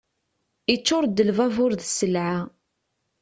Iččur-d lbabur d sselɛa.